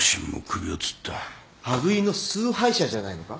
羽喰の崇拝者じゃないのか？